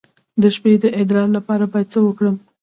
د شپې د ادرار لپاره باید څه وکړم؟